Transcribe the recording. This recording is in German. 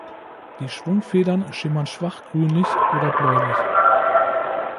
Die Schwungfedern schimmern schwach grünlich oder bläulich.